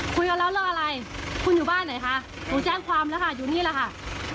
คุยกันแล้วเรื่องอะไรคุณอยู่บ้านไหนคะหนูแจ้งความแล้วค่ะอยู่นี่แหละค่ะ